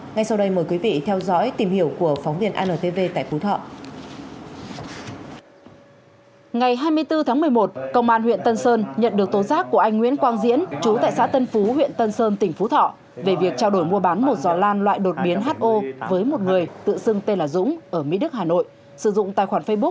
ngay sau đây mời quý vị theo dõi tìm hiểu của phóng viên antv tại phú thọ